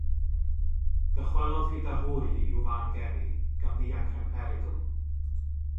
Dychwelodd gyda hwy i'w fan geni gan ddianc rhag perygl.